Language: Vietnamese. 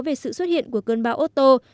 về sự xuất hiện của cơn bão otto